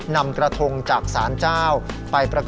นำกระทงจากสารเจ้า